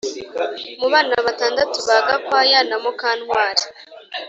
mu bana batandatu ba gakwaya na mukantwari